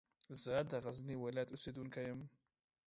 زه د غزني ولایت اوسېدونکی یم.